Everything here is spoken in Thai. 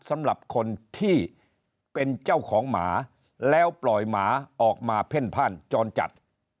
สำหรับคนที่เป็นเจ้าของหมาแล้วปล่อยหมาออกมาเพ่นพ่านจรจัด